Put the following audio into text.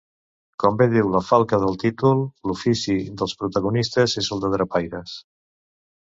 Com ve diu la falca del títol l'ofici dels protagonistes és el de drapaires.